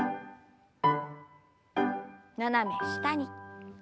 斜め下に。